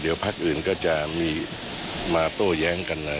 เดี๋ยวพลักษณ์อื่นก็จะมีมาโตแย้งกันนะ